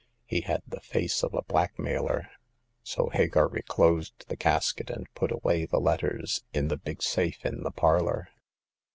He had the face of a black mailer ; so Hagar reclosed the casket, and put away the letters in the big safe in the parlor.